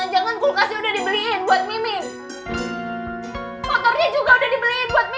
jangan jangan kulkasnya udah dibeliin buat mimin